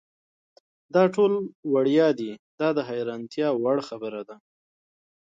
دا ټول وړیا دي دا د حیرانتیا وړ خبره ده.